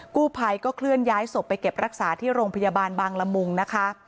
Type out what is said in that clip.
กู้ภัยก็เคลื่อนย้ายศพไปเก็บรักษาที่โรงพยาบาลบางละมุงนะคะ